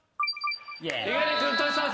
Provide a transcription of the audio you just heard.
猪狩君としさん